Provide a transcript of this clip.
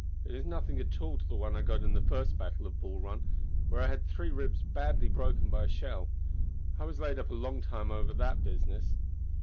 It is nothing at all to one I got at the first battle of Bull Run, where I had three ribs badly broken by a shell. I was laid up a long time over that business.